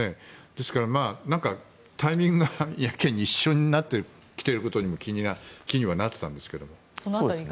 ですから、タイミングがやけに一緒になってきてることも気になっていたんですけど。